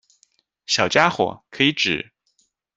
小家伙，可以指：